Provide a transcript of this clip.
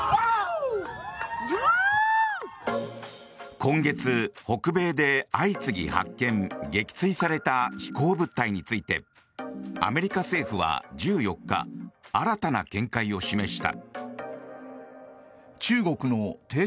今月、北米で相次ぎ発見・撃墜された飛行物体についてアメリカ政府は１４日新たな見解を示した。